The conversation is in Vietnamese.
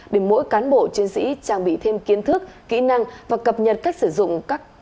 để mỗi cán bộ chiến sĩ trang bị thêm kiến thức kỹ năng và cập nhật cách sử dụng